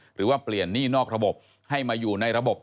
หรือว่าเปลี่ยนหนี้นอกระบบให้มาอยู่ในระบบ